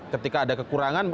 ketika ada kekurangan